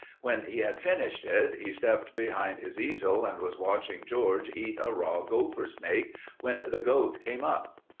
When he had finished it he stepped behind his easel and was watching George eat a raw gopher snake when the goat came up.